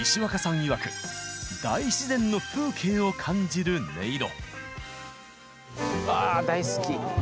いわく大自然の風景を感じる音色。